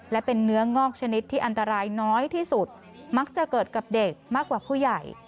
และเป็นเนื้องอกชนิดที่อันตรายน้อยที่สุดมักจะเกิดกับเด็กมากกว่าผู้ใหญ่